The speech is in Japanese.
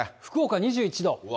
福岡２１度。